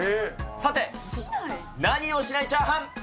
さて、何をしないチャーハン？